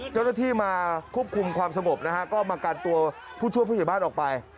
เจ้าหน้าที่มาควบคุมความสงบนะฮะก็มากันตัวผู้ช่วยผู้ใหญ่บ้านออกไป